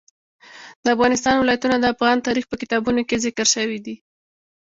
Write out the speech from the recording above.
د افغانستان ولايتونه د افغان تاریخ په کتابونو کې ذکر شوی دي.